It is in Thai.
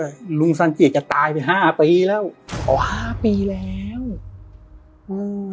ลุงสังเกตแกตายไปห้าปีแล้วอ๋อห้าปีแล้วอืม